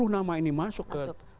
dua puluh nama ini masuk